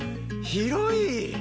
広い！